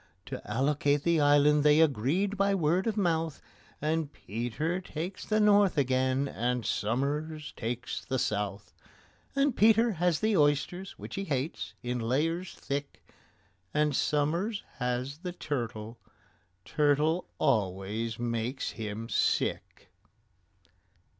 To allocate the island they agreed by word of mouth, And PETER takes the north again, and SOMERS takes the south; And PETER has the oysters, which he hates, in layers thick, And SOMERS has the turtle—turtle always makes him sick.